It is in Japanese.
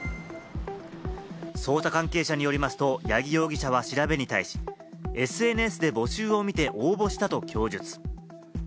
捜査関係者によりますと八木容疑者は調べに対しＳＮＳで募集を見て応募したと供述。